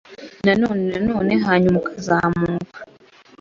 na none na none; hanyuma ukazamuka